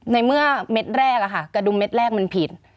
ในเมื่อเม็ดแรกกระดุมเม็ดแรกมันผิด